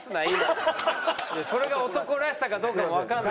それが男らしさかどうかもわからない。